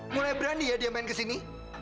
mulai berani ya dia main kesini